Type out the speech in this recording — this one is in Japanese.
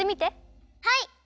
はい！